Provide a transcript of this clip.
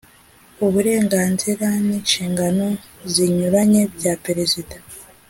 uburenganzira n’inshingano zinyuranye bya perezida